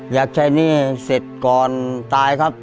อยากใช้หนี้เสร็จก่อนตายครับ